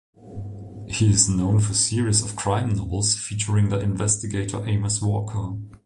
He is known for a series of crime novels featuring the investigator Amos Walker.